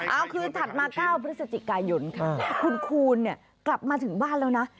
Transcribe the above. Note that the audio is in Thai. เอาคือถัดมาเก้าพฤศจิกายนคุณคูณกลับมาถึงบ้านแล้วนะ